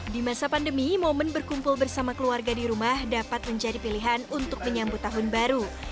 di masa pandemi momen berkumpul bersama keluarga di rumah dapat menjadi pilihan untuk menyambut tahun baru